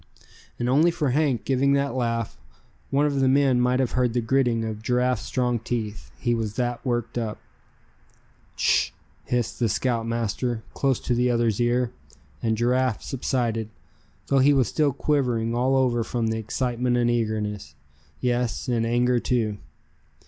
And only for Hank giving that laugh, one of the men might have heard the gritting of Giraffe's strong teeth, he was that worked up. "Sh!" hissed the scoutmaster, close to the other's ear; and Giraffe subsided, though he was still quivering all over from excitement and eagerness, yes and anger too.